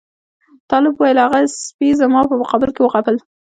طالب وویل هغه سپي زما په مقابل کې وغپل.